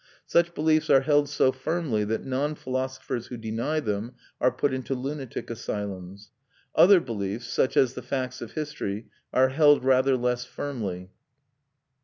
Such beliefs are held so firmly that non philosophers who deny them are put into lunatic asylums. Other beliefs, such as the facts of history, are held rather less firmly....